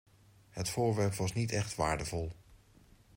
Het voorwerp was niet echt waardevol.